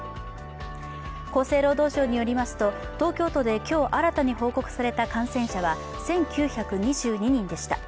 厚生労働省によりますと東京都で今日新たに報告された感染者は１９２２人でした。